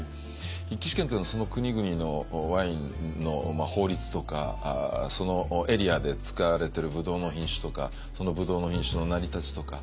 筆記試験というのはその国々のワインの法律とかそのエリアで使われてるブドウの品種とかそのブドウの品種の成り立ちとか。